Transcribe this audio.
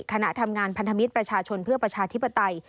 ขณะทำงานพันธมิตรประชาชนเพื่อประชาธิปไตย